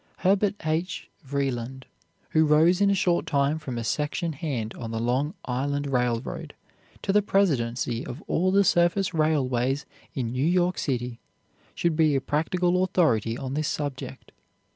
Herbert H. Vreeland, who rose in a short time from a section hand on the Long Island Railroad to the presidency of all the surface railways in New York City, should be a practical authority on this subject.